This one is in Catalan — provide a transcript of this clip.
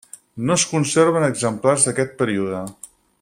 No es conserven exemplars d'aquest període.